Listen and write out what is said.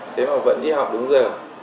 thế mà vẫn đi học đúng giờ